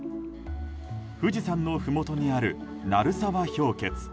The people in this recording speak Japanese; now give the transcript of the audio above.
富士山のふもとにある鳴沢氷穴。